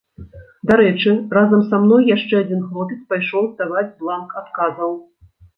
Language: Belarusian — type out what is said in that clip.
Дарэчы, разам са мной яшчэ адзін хлопец пайшоў здаваць бланк адказаў.